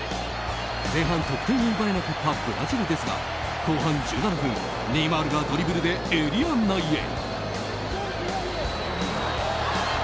前半、得点を奪えなかったブラジルですが後半１７分、ネイマールがドリブルでエリア内へ。